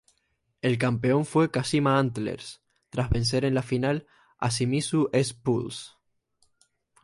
El campeón fue Kashima Antlers, tras vencer en la final a Shimizu S-Pulse.